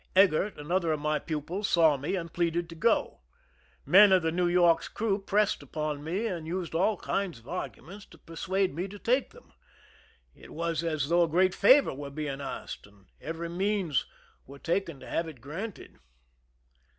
Eggert, another of my pupils, saw me, and pleaded to go. Men of the New York'^s crew j)ressed upon me and used all kinds of arguments tC' persuade me to take them. It was as though a greiat favor were being asked and every means were taken to have it granted.